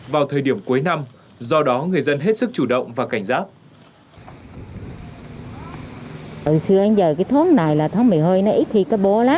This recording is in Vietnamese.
vào thời điểm cuối năm do đó người dân hết sức chủ động và cảnh giác